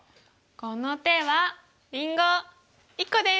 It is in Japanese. この手はりんご１個です！